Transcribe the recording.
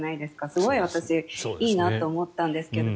すごく私いいなと思ったんですが。